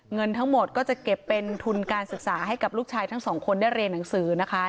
เงินทั้งหมดก็จะเก็บเป็นทุนการศึกษาให้กับลูกชายทั้งสองคนได้เรียนหนังสือนะคะ